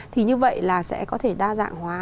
thì như vậy là sẽ có thể đa dạng hóa